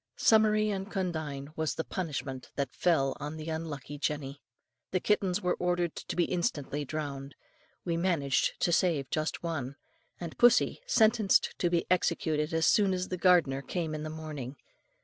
"Summary and condign was the punishment that fell on the unlucky Jenny. The kittens were ordered to be instantly drowned, we managed to save just one, and pussy sentenced to be executed as soon as the gardener came in the morning.